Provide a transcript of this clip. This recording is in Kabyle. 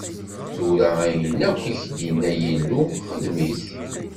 Tura, ayen akk i k-d-inna Yillu, xedm-it.